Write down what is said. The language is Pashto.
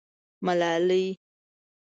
_ملالۍ.